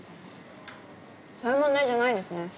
そういう問題じゃないですね。